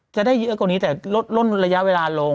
จะได้เยอะกว่านี้แต่ลดระยะเวลาลง